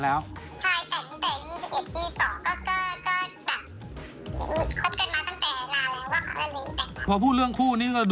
คือสถานทาการการกันอยู่สบายทั้งชาติ